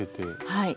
はい。